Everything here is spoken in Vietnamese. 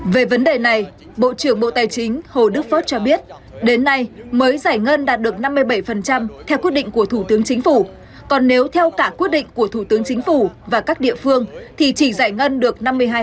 về vấn đề này bộ trưởng bộ tài chính hồ đức phớt cho biết đến nay mới giải ngân đạt được năm mươi bảy theo quyết định của thủ tướng chính phủ còn nếu theo cả quyết định của thủ tướng chính phủ và các địa phương thì chỉ giải ngân được năm mươi hai